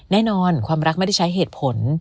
แน่นอนความรักไม่ได้ใช้เหตุผล